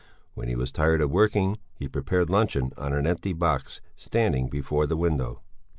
When he was tired of working, he prepared luncheon on an empty box standing before the window.